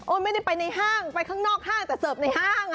ไม่ได้ไปในห้างไปข้างนอกห้างแต่เสิร์ฟในห้าง